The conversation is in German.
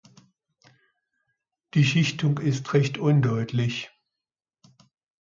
Die Schichtung ist recht undeutlich.